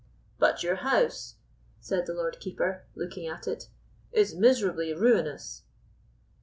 "But your house," said the Lord Keeper, looking at it, "is miserably ruinous?"